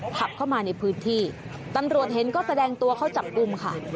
ขับเข้ามาในพื้นที่ตำรวจเห็นก็แสดงตัวเข้าจับกลุ่มค่ะ